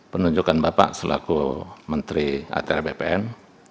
penunjukan bapak selaku menteri atr bpn